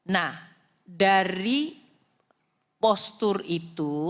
nah dari postur itu